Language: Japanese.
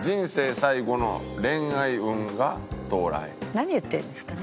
何言ってるんですかね？